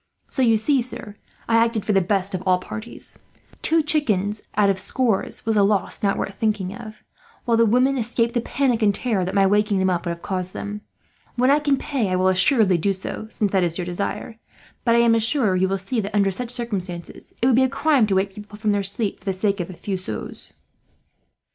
"So you see, sir, I acted for the best for all parties. Two chickens out of scores was a loss not worth thinking of, while the women escaped the panic and terror that my waking them up would have caused them. When I can pay I will assuredly do so, since that is your desire; but I am sure you will see that, under such circumstances, it would be a crime to wake people from their sleep for the sake of a few sous."